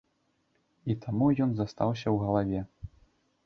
І таму ён застаўся ў галаве.